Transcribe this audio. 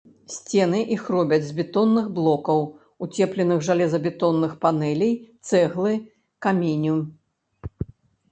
Сцены іх робяць з бетонных блокаў, уцепленых жалезабетонных панэлей, цэглы, каменю.